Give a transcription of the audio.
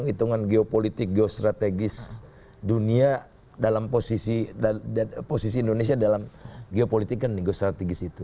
hitungan geopolitik geostrategis dunia dalam posisi indonesia dalam geopolitik dan geostrategis itu